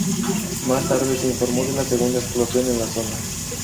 Más tarde, se informó de la segunda explosión en la zona.